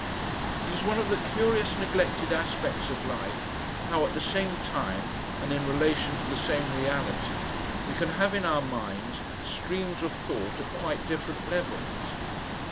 It is one of the curious neglected aspects of life how at the same time and in relation to the same reality we can have in our minds streams of thought at quite different levels.